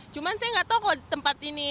cuma saya nggak tahu kalau tempat ini